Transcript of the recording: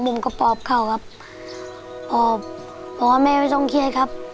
ผมก็ปอบเข้าครับปอบบอกว่าแม่ไม่ต้องเครียดครับ